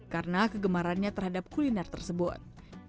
karena kegemarannya terhadap kuliner tersebut